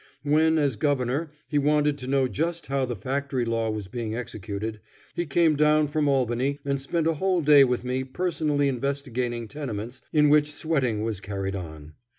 When, as Governor, he wanted to know just how the Factory Law was being executed, he came down from Albany and spent a whole day with me personally investigating tenements in which sweating was carried on.